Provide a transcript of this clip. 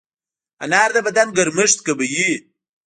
انار د بدن ګرمښت کموي.